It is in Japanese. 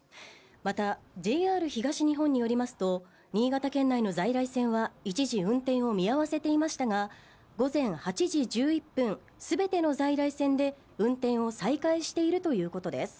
また、ＪＲ東日本によりますと、新潟県内の在来線は一時、運転を見合わせていましたが午前８時１１分、全ての在来線で、運転を再開しているということです。